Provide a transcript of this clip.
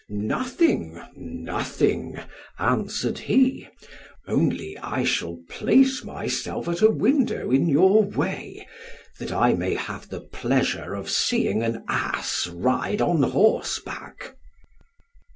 "Nothing, nothing," answered he, "only I shall place myself at a window in your way, that I may have the pleasure of seeing an ass ride on horseback."